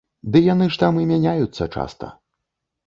Ды яны ж там і мяняюцца часта.